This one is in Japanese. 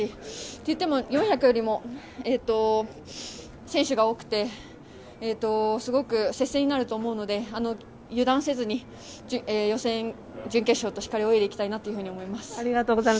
といっても４００ｍよりも選手が多くてすごく接戦になると思うので油断せずに予選、準決勝としっかり泳いでいきたいなと思います。